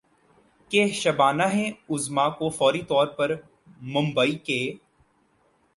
کہ شبانہ اعظمی کو فوری طور پر ممبئی کے